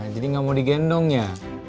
jadi gak mau digendong ya